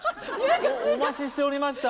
お待ちしておりました